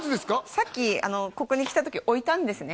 さっきあのここに来た時置いたんですね